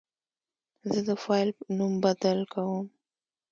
زه د فایل نوم بدل کوم.